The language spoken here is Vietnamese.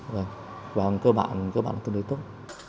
vâng và cơ bản tương đối tốt